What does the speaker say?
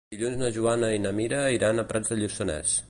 Dilluns na Joana i na Mira iran a Prats de Lluçanès.